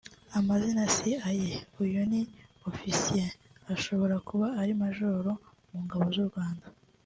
Amazina si aye uyu ni officier ashobora kuba ari major mu ngabo z’u Rwanda